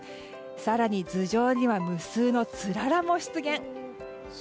更に頭上には無数のつららも出現。